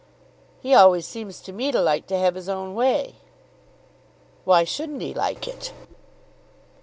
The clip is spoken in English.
"He always seems to me to like to have his own way." "Why shouldn't he like it?"